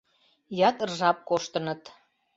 Ятыр жап коштыныт.